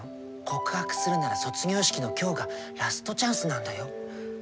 告白するなら卒業式の今日がラストチャンスなんだよ！